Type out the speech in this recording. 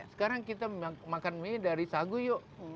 sekarang kita makan mie dari sagu yuk